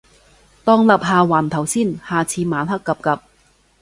當立下環頭先，下次晚黑 𥄫𥄫